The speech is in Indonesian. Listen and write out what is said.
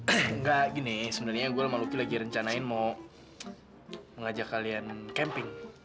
enggak gini sebenarnya gue sama luki lagi rencanain mau mengajak kalian camping